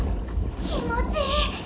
気持ちいい！